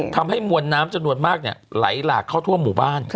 ทำให้มวลน้ำจำนวนมากไหลหลากเข้าทั่วหมู่บ้าน